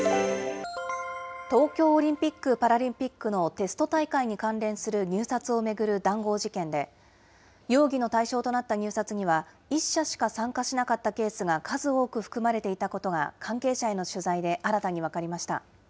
東京オリンピック・パラリンピックのテスト大会に関連する入札を巡る談合事件で、容疑の対象となった入札には、１社しか参加しなかったケースが数多く含まれていたことが関係者への取材で新たに分かりました。